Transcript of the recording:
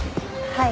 はい。